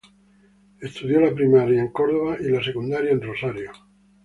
Estudió la primaria en Córdoba y la secundaria en Rosario.